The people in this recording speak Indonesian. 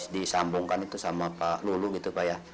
disambungkan itu sama pak lulu gitu pak ya